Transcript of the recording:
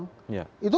itu teriak semua